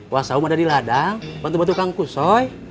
wah sahum ada di ladang bantu bantu kangkus soi